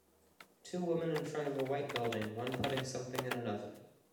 Two women in front of a white building, one putting something in an oven.